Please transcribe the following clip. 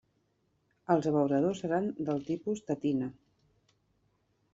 Els abeuradors seran del tipus tetina.